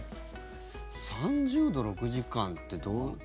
３０度、６時間ってどう。